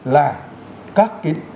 là các cái